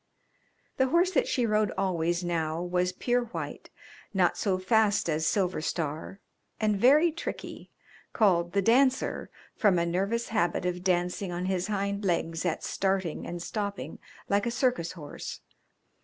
The horse that she rode always now was pure white, not so fast as Silver Star and very tricky, called The Dancer, from a nervous habit of dancing on his hind legs at starting and stopping, like a circus horse.